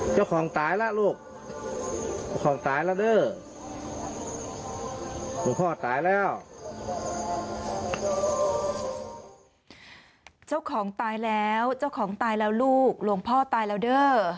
เจ้าของตายแล้วลูกหลวงพ่อตายแล้วเด้อ